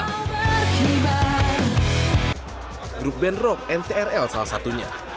grup band rob ntrl salah satunya